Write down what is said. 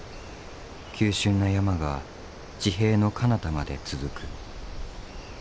急しゅんな山が地平のかなたまで続く。